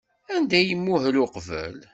Anda ay imuhel uqbel?